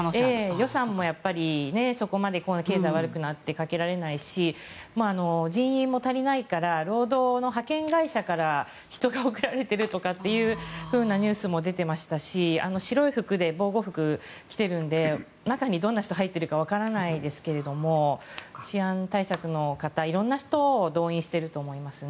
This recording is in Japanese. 予算もやっぱりそこまで経済が悪くなってかけられないし人員も足りないから労働の派遣会社から人が送られているとかっていうニュースも出ていましたし白い服で、防護服を着ているので中にどんな人が入っているかわからないですけれど治安対策の方、色んな人を動員していると思いますね。